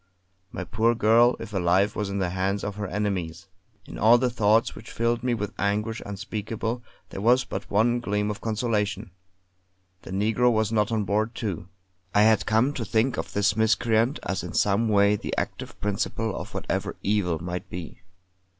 My poor girl, if alive, was in the hands of her enemies. In all the thoughts which filled me with anguish unspeakable there was but one gleam of consolation the negro was not on board, too. I had come to think of this miscreant as in some way the active principle of whatever evil might be.